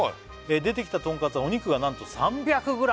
「出てきたとんかつはお肉がなんと３００ｇ」